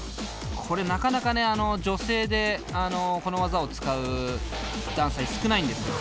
これなかなか女性でこの技を使うダンサー少ないんですよ。